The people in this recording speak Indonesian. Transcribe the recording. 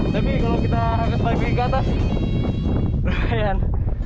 tapi kalau kita hampir balik ke atas lumayan